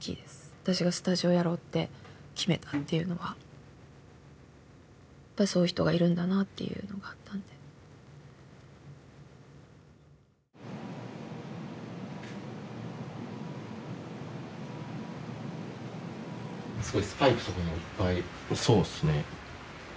私がスタジオをやろうって決めたっていうのはやっぱそういう人がいるんだなっていうのがあったんですごいスパイクとかもいっぱいそうっすね